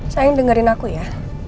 sayang dengerin aku ya